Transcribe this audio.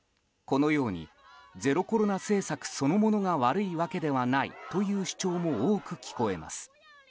このようにゼロコロナ政策そのものが悪いわけではないという主張も多く聞こえます。